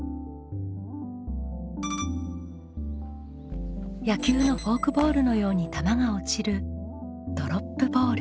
野球のフォークボールのように球が落ちるドロップボール。